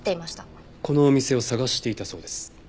このお店を探していたそうです。